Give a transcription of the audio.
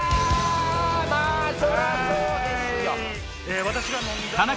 まぁそりゃそうですよ。